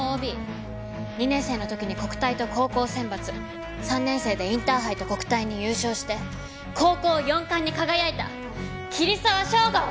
２年生の時に国体と高校選抜３年生でインターハイと国体に優勝して高校４冠に輝いた桐沢祥吾！